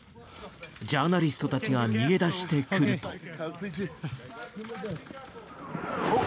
ジャーナリストたちが逃げ出してくると。